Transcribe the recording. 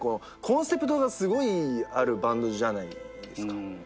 コンセプトがすごいあるバンドじゃないですか。